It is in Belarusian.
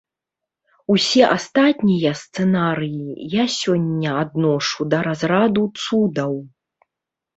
Усе астатнія сцэнарыі я сёння адношу да разраду цудаў.